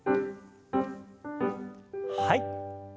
はい。